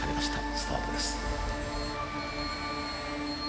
スタートです。